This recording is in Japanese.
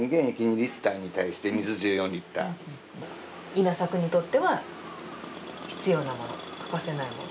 稲作にとっては必要なもの、欠かせないもの？